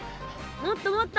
もっともっと。